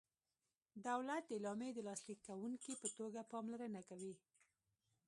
دولت د اعلامیې د لاسلیک کوونکي په توګه پاملرنه کوي.